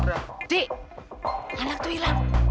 ambil ya itu hilang